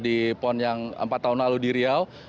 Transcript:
di pon yang empat tahun lalu di riau